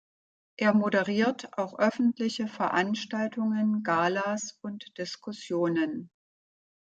Er moderiert auch öffentliche Veranstaltungen, Galas und Diskussionen.